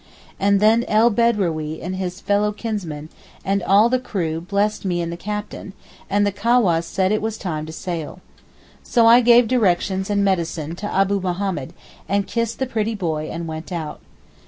And then El Bedrawee and his fellah kinsman, and all the crew blessed me and the Captain, and the cawass said it was time to sail. So I gave directions and medicine to Abu Mahommed, and kissed the pretty boy and went out.